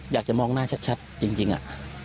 อยากจะมองหน้าชัดจริงอะ